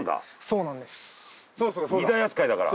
荷台扱いだから。